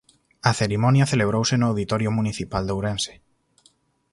A cerimonia celebrouse no Auditorio Municipal de Ourense.